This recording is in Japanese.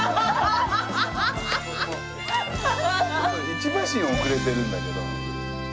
一馬身遅れてるんだけど。